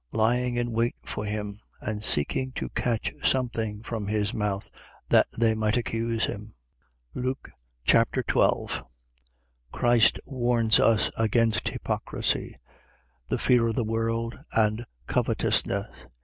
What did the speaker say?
Lying in wait for him and seeking to catch something from his mouth, that they might accuse him. Luke Chapter 12 Christ warns us against hypocrisy, the fear of the world and covetousness.